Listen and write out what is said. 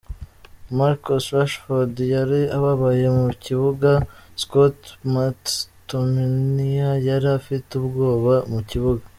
"Marcus Rashford yari ababaye mu kibuga, Scott McTominay yari afite ubwoba mu kibuga.